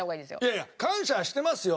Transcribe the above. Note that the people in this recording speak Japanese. いやいや感謝はしてますよ。